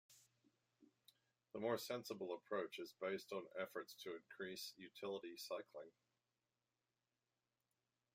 The more sensible approach is based on efforts to increase Utility cycling.